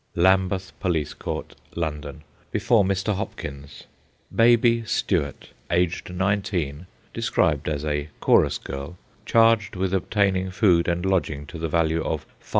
Lambeth Police Court, London. Before Mr. Hopkins. "Baby" Stuart, aged nineteen, described as a chorus girl, charged with obtaining food and lodging to the value of 5s.